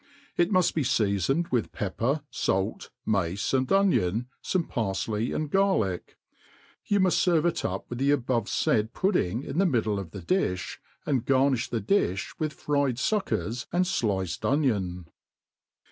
It muft be feafoned with pepper, fait, mace, and Mion, fomc parfley and garJick. You muft ferve k up With the ' abovefaid pudding in the middle. of. the dijfbj.aiidigarniih thct iilh' with fried fuckers and fliccd onion.